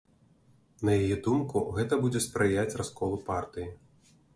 На яе думку, гэта будзе спрыяць расколу партыі.